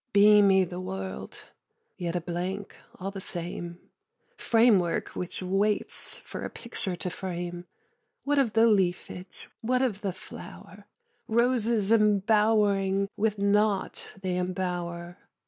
Beamy the world, yet a blank all the same, Framework which waits for a picture to frame: What of the leafage, what of the flower? Roses embowering with naught they embower!